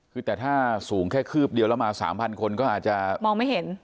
คือแต่ถ้าสูงแค่คืบเดียวแล้วมา๓๐๐คนก็อาจจะมองไม่เห็น